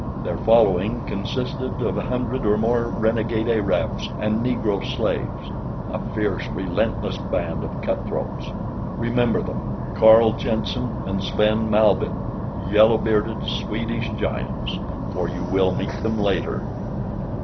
Their following consisted of a hundred or more renegade Arabs and Negro slaves—a fierce, relentless band of cut throats. Remember them—Carl Jenssen and Sven Malbihn, yellow bearded, Swedish giants—for you will meet them later.